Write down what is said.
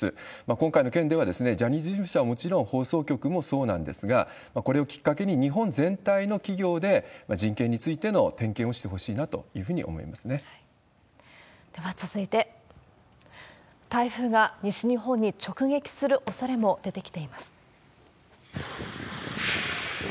今回の件では、ジャニーズ事務所はもちろん、放送局もそうなんですが、これをきっかけに、日本全体の企業で人権についての点検をしてほしいなというふうにでは続いて、台風が西日本に直撃するおそれも出てきています。